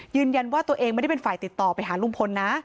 ยืนยันว่าตัวเองไม่ได้เป็นฝ่ายติดต่อไปหาลุงพลนะ